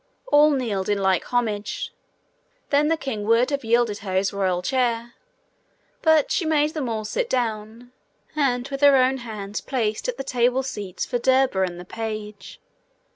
All kneeled in like homage. Then the king would have yielded her his royal chair. But she made them all sit down, and with her own hands placed at the table seats for Derba and the page.